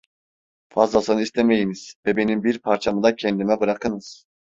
Fazlasını istemeyiniz ve benim bir parçamı da kendime bırakınız.